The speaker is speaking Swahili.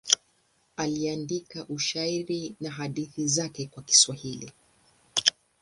Aliandika ushairi na hadithi zake kwa Kiswahili.